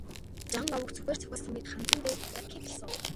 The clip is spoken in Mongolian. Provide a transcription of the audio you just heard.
Жан овогт сүхээр цохиулсан мэт ханзан дээр яг хийтэл суув.